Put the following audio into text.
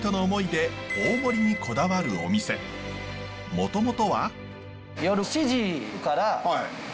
もともとね。